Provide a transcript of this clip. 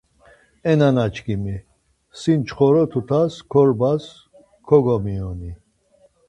E nana çkimi, si nçxoro tutas korbas kogomiyoni.